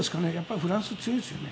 フランスが強いですよね。